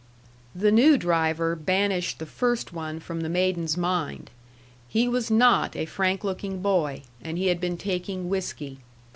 The new driver banished the first one from the maiden's mind. He was not a frank looking boy, and he had been taking whiskey.